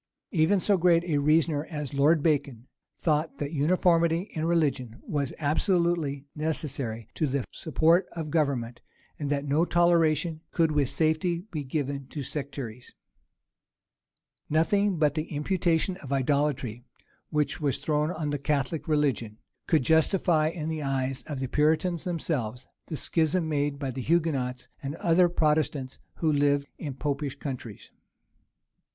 Even so great a reasoner as Lord Bacon thought that uniformity in religion was absolutely necessary to the support of government, and that no toleration could with safety be given to sectaries.[*] * See his essay De Unitate Ecclesiae. Nothing but the imputation of idolatry, which was thrown on the Catholic religion, could justify, in the eyes of the Puritans themselves, the schism made by the Hugonots and other Protestants who lived in Popish countries.